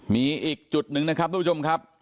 มีอีกจุดหนึ่งนะครับทุกผู้ชมครับ